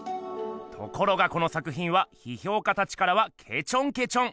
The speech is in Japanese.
ところがこの作ひんはひひょうかたちからはけちょんけちょん。